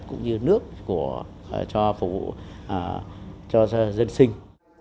cũng như nước cho phục vụ cho dân sinh